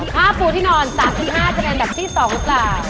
ผ้าฟูที่นอน๓๕เจนแบบที่๒หรือเปล่า